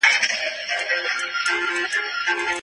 د ګوندونو ترمنځ سالمه سيالي د ټولني په ګټه ده.